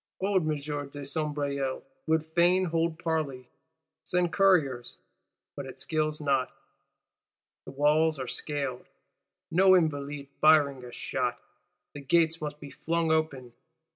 Old M. de Sombreuil would fain hold parley, send Couriers; but it skills not: the walls are scaled, no Invalide firing a shot; the gates must be flung open.